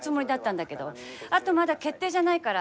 あとまだ決定じゃないから。